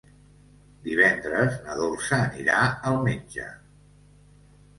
Divendres na Dolça anirà al metge.